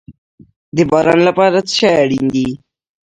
د باران لپاره څه شی اړین دي؟